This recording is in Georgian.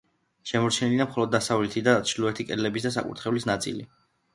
შემორჩენილია მხოლოდ დასავლეთი და ჩრდილოეთი კედლების და საკურთხევლის ნაწილი.